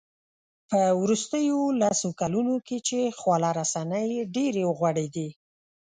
په وروستیو لسو کلونو کې چې خواله رسنۍ ډېرې وغوړېدې